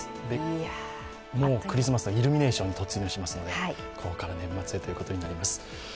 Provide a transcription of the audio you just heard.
もうクリスマスはイルミネーションに突入しますのでここか年末へということになります。